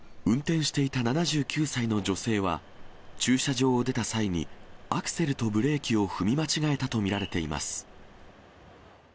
運転していた７９歳の女性は、駐車場を出た際に、アクセルとブレーキを踏み間違えたと見られています。